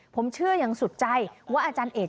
ผมเชื่ออย่างสุดใจว่าอาจารย์เอก